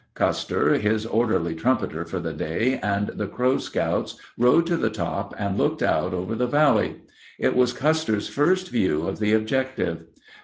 Custer, his orderly trumpeter for the day, and the Crow scouts rode to the top and looked out over the valley. It was Custer's first view of the objective.